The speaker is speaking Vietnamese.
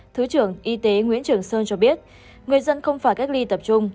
thứ trưởng y tế nguyễn trường sơn cho biết người dân không phải cách ly tập trung